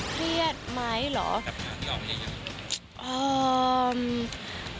เครียดไหมเหรอ